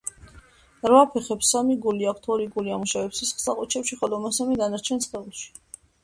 რვაფეხებს სამი გული აქვთ: ორი გული ამუშავებს სისხლს ლაყუჩებში, ხოლო მესამე – დანარჩენ სხეულში